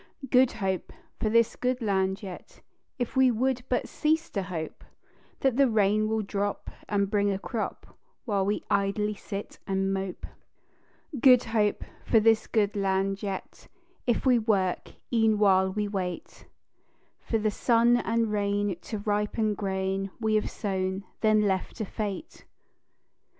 "Good Hope" for this good land yet, If we would but cease to hope That the rain will drop and bring a crop While we idly sit and mope. "Good Hope" for this good land yet, If we work, e'en while we wait For the sun and rain to ripen grain We have sown, then left to fate.